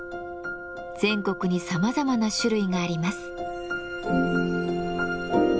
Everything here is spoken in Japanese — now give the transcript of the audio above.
全国にさまざまな種類があります。